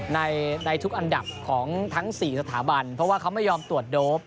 ในทุกอันดับของทั้ง๔สถาบันเพราะว่าเขาไม่ยอมตรวจโดป